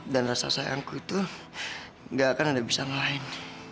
dan rasa sayangku itu gak akan ada bisa ngelain